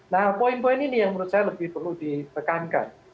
nah poin poin ini yang menurut saya lebih perlu ditekankan